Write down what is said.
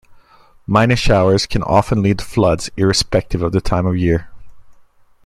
Minor showers can often lead to floods, irrespective of the time of year.